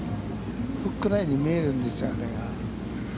フックラインに見えるんですよ、あれが。